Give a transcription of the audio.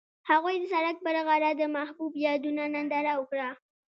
هغوی د سړک پر غاړه د محبوب یادونه ننداره وکړه.